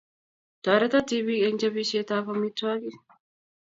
Toreto tipik eng chopisietap amitwigik